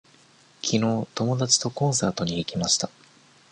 きのう友達とコンサートに行きました。